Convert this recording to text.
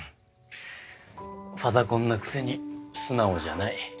ファザコンなくせに素直じゃない。